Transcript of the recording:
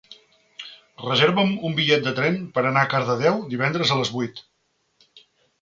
Reserva'm un bitllet de tren per anar a Cardedeu divendres a les vuit.